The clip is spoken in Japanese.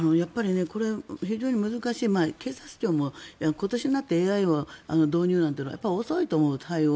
非常に難しい警察庁も今年になってＡＩを導入なんていうのは遅いと思う。